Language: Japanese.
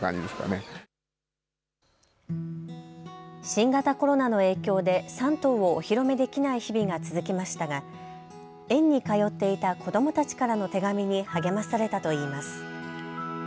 新型コロナの影響で、３頭をお披露目できない日々が続きましたが、園に通っていた子どもたちからの手紙に励まされたといいます。